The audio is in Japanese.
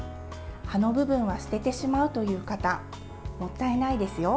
葉の部分は捨ててしまうという方もったいないですよ。